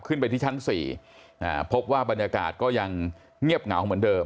ขึ้นไปที่ชั้น๔พบว่าบรรยากาศก็ยังเงียบเหงาเหมือนเดิม